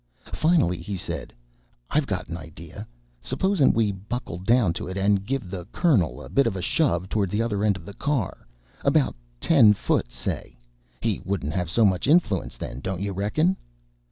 Finally he said, "I've got an idea. Suppos' n we buckle down to it and give the Colonel a bit of a shove towards t'other end of the car? about ten foot, say. He wouldn't have so much influence, then, don't you reckon?"